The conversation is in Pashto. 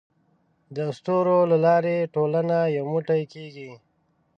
د اسطورو له لارې ټولنه یو موټی کېږي.